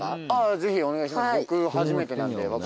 ぜひお願いします